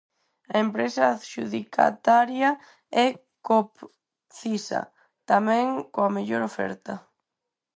A empresa adxudicataria é Copcisa, tamén coa mellor oferta.